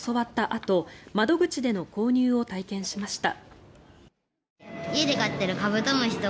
あと窓口での購入を体験しました。